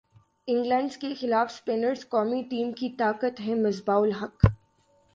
England کیخلاف spinners قومی team کی طاقت ہیں مصباح الحق